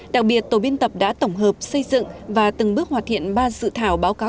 hai nghìn hai mươi một hai nghìn hai mươi năm đặc biệt tổ biên tập đã tổng hợp xây dựng và từng bước hoạt hiện ba dự thảo báo cáo